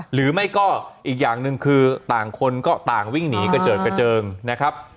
หรือไม่ก็อีกอย่างหนึ่งคือต่างคนก็ต่างวิ่งหนีกระเจิดกระเจิงนะครับ